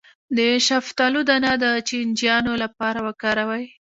د شفتالو دانه د چینجیانو لپاره وکاروئ